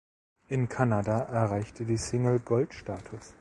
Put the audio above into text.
In Kanada erreichte die Single Gold-Status.